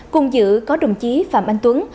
cùng giữ có đồng chí phạm anh tuấn